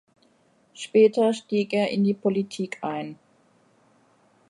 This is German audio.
Später stieg er in die Politik ein.